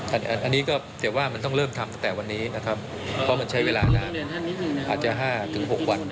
อันนี้ก็แต่ว่ามันต้องเริ่มทำตั้งแต่วันนี้นะครับเพราะมันใช้เวลานานอาจจะ๕๖วัน